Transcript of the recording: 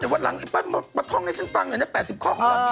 วันหลังมาท่องให้ฉันตั้ง๘๐ข้อของเรานี่อะไรบ้าง